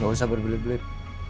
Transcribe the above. gak usah berbelit belit